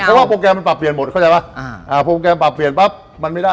ว่าโปรแกรมมันปรับเปลี่ยนหมดเข้าใจป่ะอ่าโปรแกรมปรับเปลี่ยนปั๊บมันไม่ได้